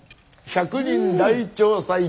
「１００人大調査！